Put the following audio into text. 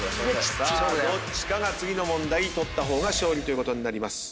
どっちか次の問題取った方が勝利ということになります。